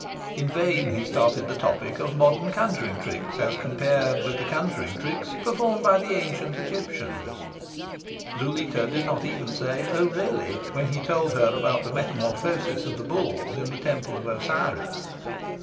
In vain he started the topic of modern conjuring tricks as compared with the conjuring tricks performed by the ancient Egyptians. Zuleika did not even say "Oh really?" when he told her about the metamorphosis of the bulls in the Temple of Osiris.